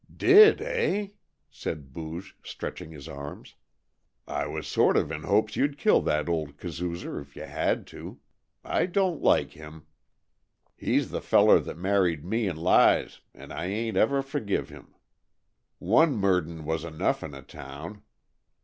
"Did, hey?" said Booge, stretching his arms. "I was sort of in hopes you'd kill that old kazoozer, if you had to. I don't like him. He's the feller that married me and Lize, and I ain't ever forgive him. One Merdin was enough in a town.